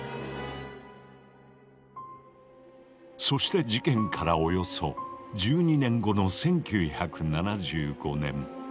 そして事件からおよそ１２年後の１９７５年。